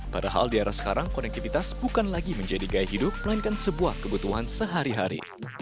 padahal di era sekarang konektivitas bukan lagi menjadi gaya hidup melainkan sebuah kebutuhan sehari hari